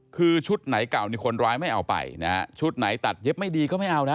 คือชุดไหนเก่านี่คนร้ายไม่เอาไปนะฮะชุดไหนตัดเย็บไม่ดีก็ไม่เอานะ